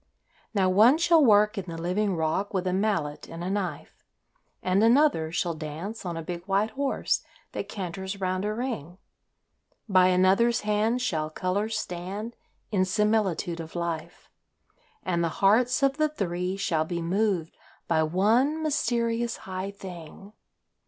Now, one shall work in the living rock with a mallet and a knife, And another shall dance on a big white horse that canters round a ring, By another's hand shall colours stand in similitude of life; And the hearts of the three shall be moved by one mysterious high thing.